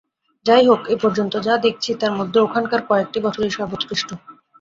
যাই হোক, এ পর্যন্ত যা দেখছি, তার মধ্যে ওখানকার কয়েকটি বছরই সর্বোৎকৃষ্ট।